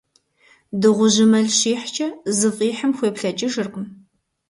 Дыгъужьым мэл щихькӀэ, зыфӀихьым хуеплъэкӀыжыркъым.